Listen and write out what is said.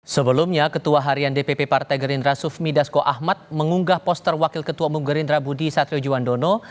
sebelumnya ketua harian dpp partai gerindra sufmi dasko ahmad mengunggah poster wakil ketua umum gerindra budi satrio juwandono